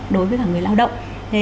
đối với cả người lao động